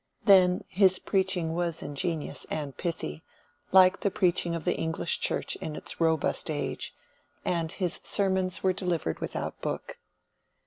Then, his preaching was ingenious and pithy, like the preaching of the English Church in its robust age, and his sermons were delivered without book.